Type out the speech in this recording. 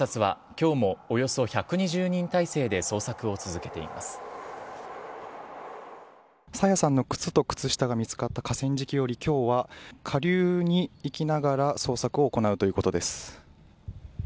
朝芽さんの靴と靴下が見つかった河川敷よりきょうは下流に行きながら、捜索を行うということです。